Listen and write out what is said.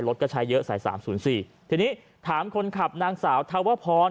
รถก็ใช้เยอะสายสามศูนย์สี่ทีนี้ถามคนขับนางสาวทาวพร